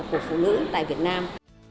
của phụ nữ tại việt nam